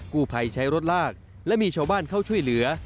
กู้ภัยใช้รถลากและมีชาวบ้านเข้าช่วยเหลือ